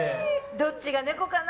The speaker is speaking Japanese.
どっちが猫かな？